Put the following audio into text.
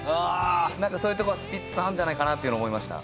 何かそういうとこがスピッツさんあんじゃないかなって思いました。